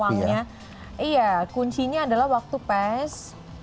iya kuncinya adalah waktu pes